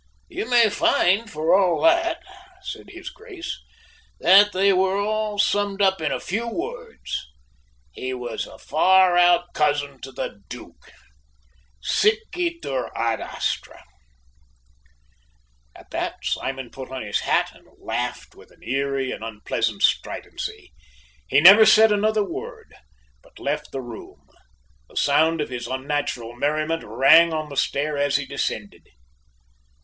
"You may find, for all that," says his Grace, "that they were all summed up in a few words 'he was a far out cousin to the Duke.' Sic itur ad astra." At that Simon put on his hat and laughed with an eerie and unpleasant stridency. He never said another word, but left the room. The sound of his unnatural merriment rang on the stair as he descended.